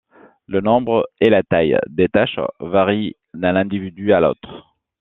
Le nombre et la taille des taches varient d'un individu à l'autre.